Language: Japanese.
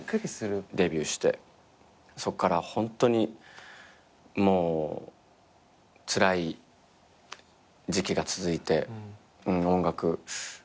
デビューしてそこからホントにもうつらい時期が続いて音楽